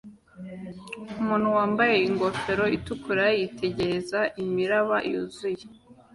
Umuntu wambaye ingofero itukura yitegereza imiraba yuzuye